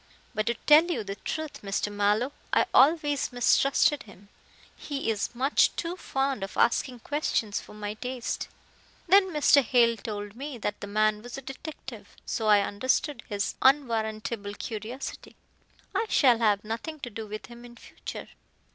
But, to tell you the truth, Mr. Mallow, I always mistrusted him. He is much too fond of asking questions for my taste. Then Mr. Hale told me that the man was a detective, so I understood his unwarrantable curiosity. I shall have nothing to do with him in future."